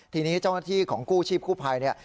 ทีนี้เจ้าหน้าที่ของกู้ชีพกู้ภัยเนี่ย